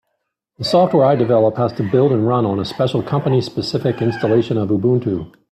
The software I develop has to build and run on a special company-specific installation of Ubuntu.